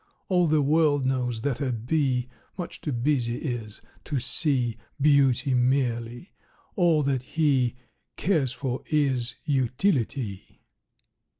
"All the world knows that a bee Much too busy is to see Beauty merely. All that he Cares for is utility."